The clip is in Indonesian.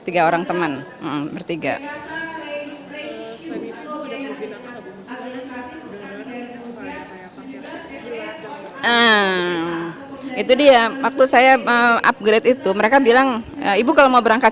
tiga orang teman bertiga itu dia waktu saya upgrade itu mereka bilang ibu kalau mau berangkat